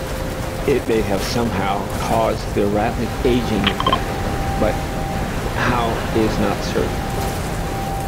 It may have somehow caused the rapid aging effect, but how is not certain.